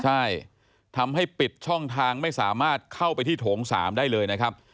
ใช่ทำให้ปิดช่องทางไม่สามารถเข้าไปที่โถง๓ได้เลยนะครับ